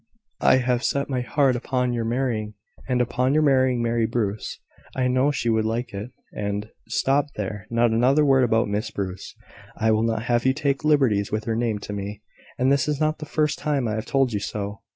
I have set my heart upon your marrying, and upon your marrying Mary Bruce. I know she would like it, and " "Stop there! Not another word about Miss Bruce! I will not have you take liberties with her name to me; and this is not the first time I have told you so.